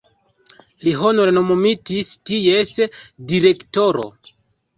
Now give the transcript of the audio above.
Li honore nomumitis ties direktoro.